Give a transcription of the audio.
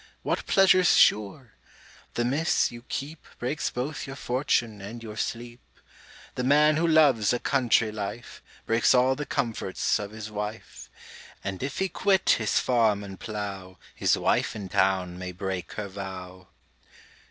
What pleasure's sure? The Miss you keep Breaks both your fortune and your sleep. The man who loves a country life, Breaks all the comforts of his wife; And if he quit his farm and plough, His wife in town may break her vow.